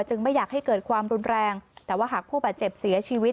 ไม่อยากให้เกิดความรุนแรงแต่ว่าหากผู้บาดเจ็บเสียชีวิต